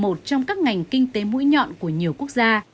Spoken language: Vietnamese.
mía đường là một trong các ngành kinh tế mũi nhọn của nhiều quốc gia